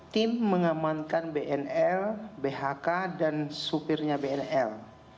tim mengamankan bnl bhk dan supirnya bnl